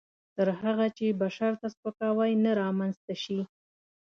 تر هغه چې بشر ته سپکاوی نه رامنځته شي.